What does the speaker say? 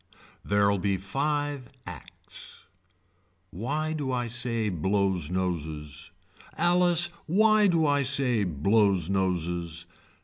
There'll be five acts. Why do I say blows noses. Alice why do I say blows noses.